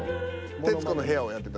「徹子の部屋」をやってた。